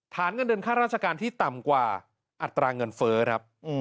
ฐานเงินเดือนค่าราชการที่ต่ำกว่าอัตราเงินเฟ้อครับ